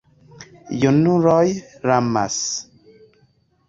Junuloj lamas.